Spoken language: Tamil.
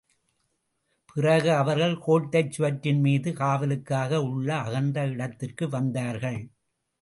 பிறகு அவர்கள் கோட்டைச் சுவற்றின்மீது காவலுக்காக உள்ள அகன்ற இடத்திற்கு வந்தார்கள்.